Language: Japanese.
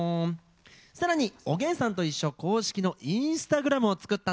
さらに「おげんさんといっしょ」公式のインスタグラムを作ったんだ！